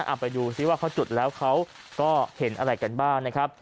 เอาไปดูซิว่าเขาจุดแล้วเขาก็เห็นอะไรกันบ้างนะครับ